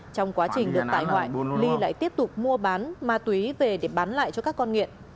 trong quá trình được tải hoại lý lại tiếp tục mua bán ma túy về để bán lại cho các con nghiện